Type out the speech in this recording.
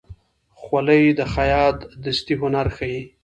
خولۍ د خیاط دستي هنر ښيي.